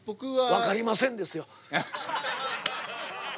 「分かりません」ですよ。